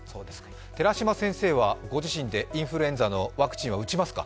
寺嶋先生はご自身でインフルエンザのワクチンは打ちますか？